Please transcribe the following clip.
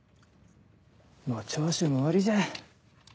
もう長州も終わりじゃ。